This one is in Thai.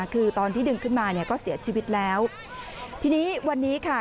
คือตอนที่ดึงขึ้นมาเนี่ยก็เสียชีวิตแล้วทีนี้วันนี้ค่ะ